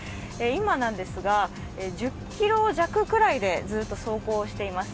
今なんですが、１０キロ弱ぐらいでずっと走行しています。